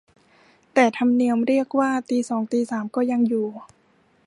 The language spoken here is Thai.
แต่ธรรมเนียมเรียกว่าตีสองตีสามก็ยังอยู่